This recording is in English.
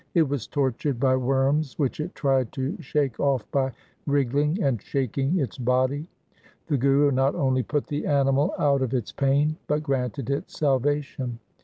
It was tortured by worms which it tried to shake off by wriggling and shaking its body. The Guru not only put the animal out of its pain, but granted it salva tion.